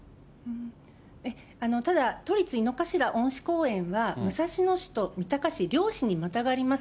ただ、都立井の頭恩賜公園は、武蔵野市と三鷹市両市にまたがります。